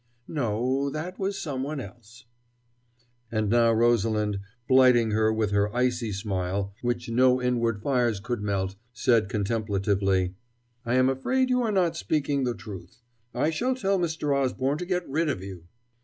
"No, that was someone else." And now Rosalind, blighting her with her icy smile, which no inward fires could melt, said contemplatively: "I am afraid you are not speaking the truth. I shall tell Mr. Osborne to get rid of you."